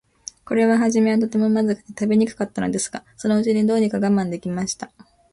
これははじめは、とても、まずくて食べにくかったのですが、そのうちに、どうにか我慢できました。